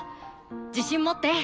自信持って！